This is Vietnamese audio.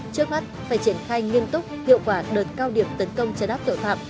trước mắt phải triển khai nghiên túc hiệu quả đợt cao điểm tấn công chấn áp tiểu thạm